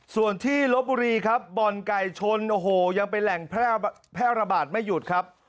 ส่วนที่ลบบุรีครับบ่อนไก่ชนโอ้โหยังเป็นแหล่งแพร่ระบาดไม่หยุดครับ